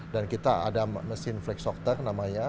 dan kita ada mesin flake sorter namanya